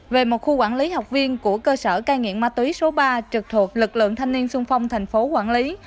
về một khu quản lý học viên của cơ sở cai nghiện ma túy số ba trực thuộc lực lượng thanh niên sung phong thành phố quản lý